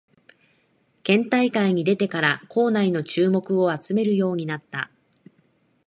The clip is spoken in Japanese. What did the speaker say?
県大会に出てから校内の注目を集めるようになった